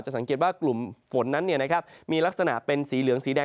จะสังเกตว่ากลุ่มฝนนั้นเนี่ยนะครับมีลักษณะเป็นสีเหลืองสีแดง